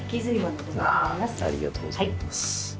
ありがとうございます。